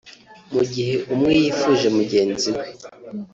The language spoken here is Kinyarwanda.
mu gihe umwe yifuje mugenzi we